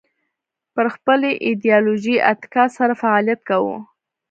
پر خپلې ایدیالوژۍ اتکا سره فعالیت کاوه